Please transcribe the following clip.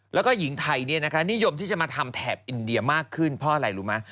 แล้วก็หญิงไทยนิยมที่จะมาทำแถบอินเดียมากขึ้นเพราะอะไรรู้ไหม